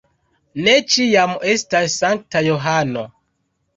Ne ĉiam estas sankta Johano.